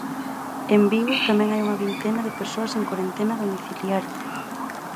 En Vigo tamén hai unha vintena de persoas en corentena domiciliaria.